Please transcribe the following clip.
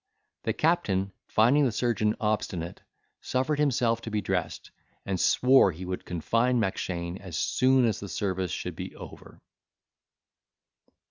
The captain, finding the surgeon obstinate, suffered himself to be dressed, and swore he would confine Mackshane as soon as the service should be over.